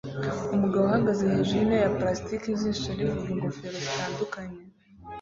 Umugabo uhagaze hejuru yintebe ya plastike ijisho rivuga ingofero zitandukanye